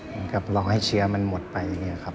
แล้วก็รอให้เชื้อมันหมดไป